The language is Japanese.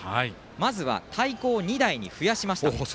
まずは、太鼓を２台に増やしました。